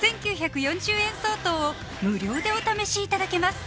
５９４０円相当を無料でお試しいただけます